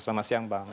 selamat siang bang